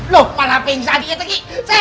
loh malah pingsan diketeki